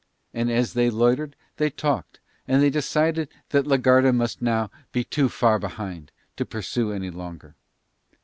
And as they loitered they talked, and they decided that la Garda must now be too far behind to pursue any longer.